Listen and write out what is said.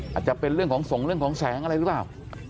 อาจจะเป็นเรื่องของส่งเรื่องของแสงอะไรหรือเปล่า